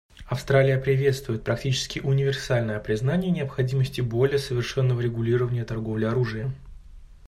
Австралия приветствует практически универсальное признание необходимости более совершенного регулирования торговли оружием.